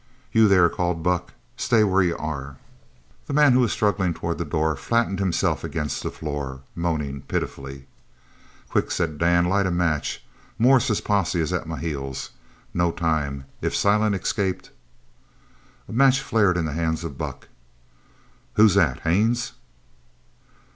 "You, there!" called Buck. "Stay where you are!" The man who struggled towards the door flattened himself against the floor, moaning pitifully. "Quick," said Dan, "light a match. Morris's posse is at my heels. No time. If Silent escaped " A match flared in the hands of Buck. "Who's that? Haines!"